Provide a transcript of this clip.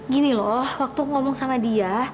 gini loh waktu ngomong sama dia